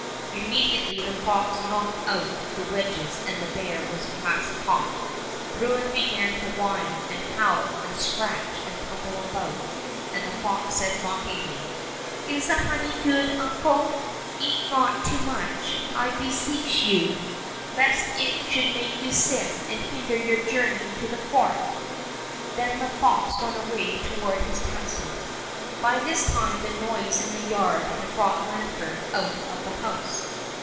Immediately the fox knocked out the wedges and the bear was fast caught. Bruin began to whine and howl and scratch and tumble about, and the fox said mockingly: " Is the honey good, uncle.^^ Eat not too much. 155 Fairy Tale Bears I beseech you, lest it should make you sick and hinder your journey to the court/' Then the fox went away toward his castle. By this time the noise in the yard had brought Lanfert out of the house.